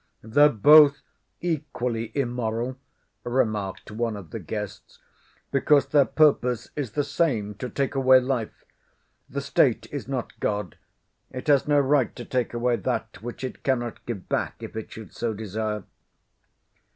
"They're both equally immoral," remarked one of the guests, "because their purpose is the same, to take away life. The State is not God. It has no right to take away that which it cannot give back, if it should so desire."